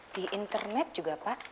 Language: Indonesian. di internet juga pak